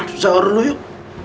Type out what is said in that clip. di sara dulu yuk